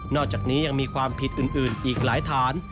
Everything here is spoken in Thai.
อกจากนี้ยังมีความผิดอื่นอีกหลายฐาน